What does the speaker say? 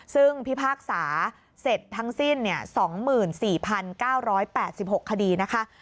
ซึ่งพิพากษาเสร็จทั้งสิ้น๒๔๙๘๖คดีนะคะ